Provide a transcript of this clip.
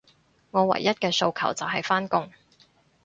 我唯一嘅訴求，就係返工